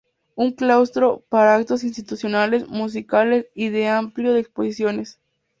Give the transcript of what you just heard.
Un claustro para actos institucionales, musicales y de ampliación de exposiciones.